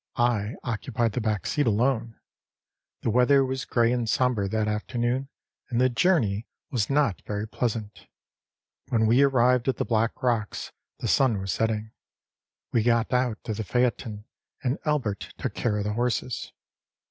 I occupied the back seat alone. The weather was gray and somber that afternoon, and the journey was not very pleasant. When we arrived at the Black Rocks the sun was setting. We got out of the phaeton, and Albert took care of the horses.